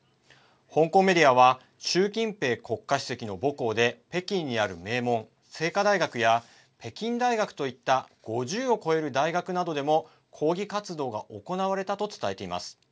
香港メディアは習近平国家主席の母校で北京にある名門、清華大学や北京大学といった５０を超える大学などでも抗議活動が行われたと伝えています。